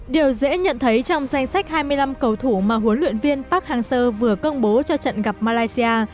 điều dễ nhận thấy trong danh sách hai mươi năm cầu thủ mà huấn luyện viên park hang seo vừa công bố cho trận gặp malaysia